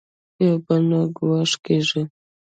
یو بل نه ګوښه کېږي.